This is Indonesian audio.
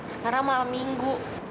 sekarang malam minggu